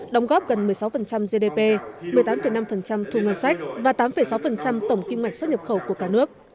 đóng góp gần một mươi sáu gdp một mươi tám năm thu ngân sách và tám sáu tổng kinh mạch xuất nhập khẩu của cả nước